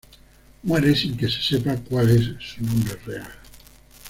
Muere sin que se sepa cuál es su nombre real.